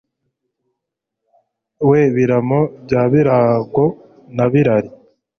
We Biramo* bya Birago* na Birari*,